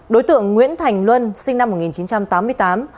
đối tượng nguyễn thành luân sinh năm một nghìn chín trăm tám mươi tám